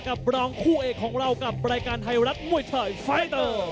รองคู่เอกของเรากับรายการไทยรัฐมวยไทยไฟเตอร์